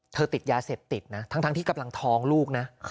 ติดยาเสพติดนะทั้งที่กำลังท้องลูกนะ